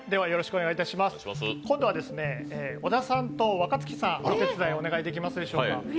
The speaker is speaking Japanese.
今度は小田さんと若槻さんお手伝いお願いできますでしょうか。